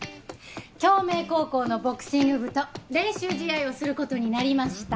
京明高校のボクシング部と練習試合をする事になりました。